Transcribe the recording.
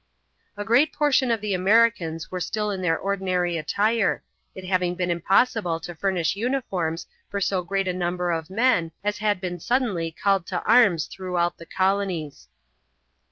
A great portion of the Americans were still in their ordinary attire, it having been impossible to furnish uniforms for so great a number of men as had been suddenly called to arms throughout the colonies.